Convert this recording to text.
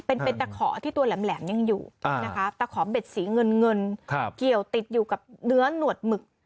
เป็นเป็นตะขอที่ตัวแหลมยังอยู่นะคะตะขอเบ็ดสีเงินเงินเกี่ยวติดอยู่กับเนื้อหนวดหมึก